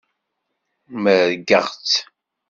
Merrgeɣ-tt.